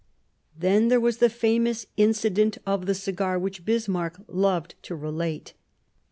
Then there was the famous incident of the cigar which Bismarck loved to relate.